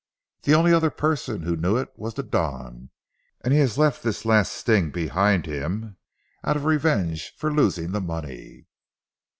The only other person who knew it was the Don, and he has left this last sting behind him out of revenge for losing the money."